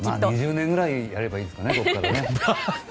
２０年くらいやればいいですかね。